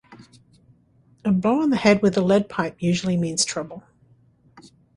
A blow on the head with a lead pipe usually means trouble.